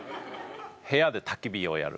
部屋でたき火をやる。